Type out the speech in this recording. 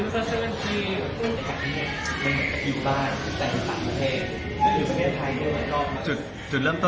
ขอบคุณครับ